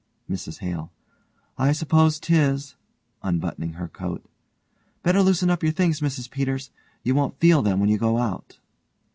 MRS HALE: I s'pose 'tis, (unbuttoning her coat) Better loosen up your things, Mrs Peters. You won't feel them when you go out.